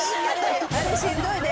「あれしんどいで」